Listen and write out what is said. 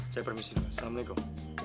saya permisi assalamualaikum